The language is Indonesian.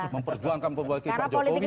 memperjuangkan pembebalkan pak jokowi